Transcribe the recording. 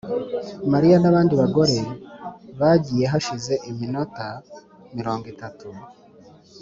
mariya nabandi bagore bagiye hashize iminota mirongo itatu.